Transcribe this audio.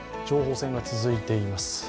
情報戦が続いています。